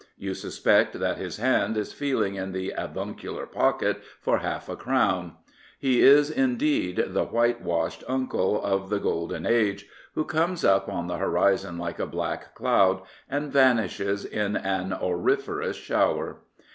You suspect that his hand is feeling in the avuncular pocket for half a crown. He is, indeed, tScT* «rhitewashed uncle of the " Golden Age/' who comes up on the horizon like a black cloud and vanishes in an auriferous shower.